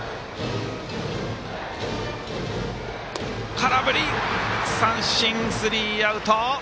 空振り三振、スリーアウト。